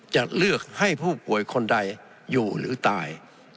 จะเลือกให้ผู้ป่วยคนใดอยู่หรือตาย